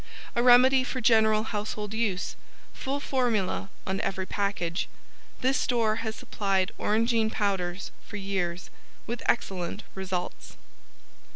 A remedy for general household use. Full formula on every package. This store has supplied Orangeine Powders for years, with excellent results.